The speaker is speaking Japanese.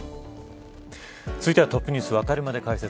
続いてはＴｏｐｎｅｗｓわかるまで解説。